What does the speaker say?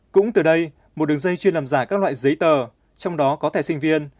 cũng từ đây một đường dây chuyên làm giả các loại giấy tờ trong đó có thẻ sinh viên